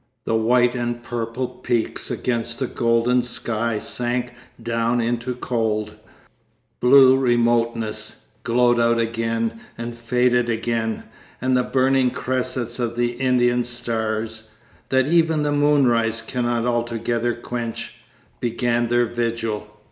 The white and purple peaks against the golden sky sank down into cold, blue remoteness, glowed out again and faded again, and the burning cressets of the Indian stars, that even the moonrise cannot altogether quench, began their vigil.